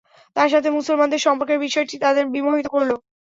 তার সাথে মুসলমানদের সম্পর্কের বিষয়টি তাদের বিমোহিত করল।